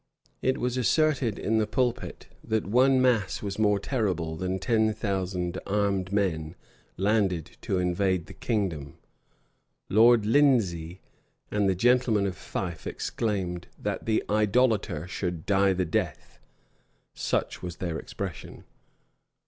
It was asserted in the pulpit, that one mass was more terrible than ten thousand armed men landed to invade the kingdom:[*] Lord Lindesey, and the gentlemen of Fife, exclaimed, "that the idolater should die the death;" such was their expression.